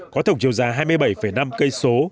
có thổng chiều giá hai mươi bảy năm cây số